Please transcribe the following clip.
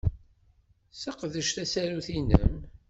Sseqdec tasarut-nnem.